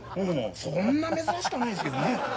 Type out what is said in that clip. そんな珍しくはないですけどね